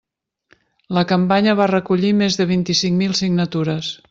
La campanya va recollir més de vint-i-cinc mil signatures.